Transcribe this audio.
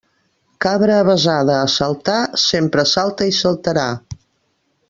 Cabra avesada a saltar sempre salta i saltarà.